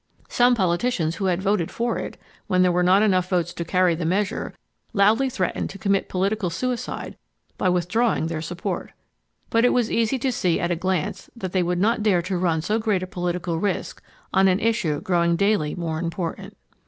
Some politicians who had voted for it when there were not enough votes to carry the measure loudly threatened to commit political suicide by withdrawing their support. But it was easy to see at a glance that they would not dare to run so great a political risk on an issue growing daily more important.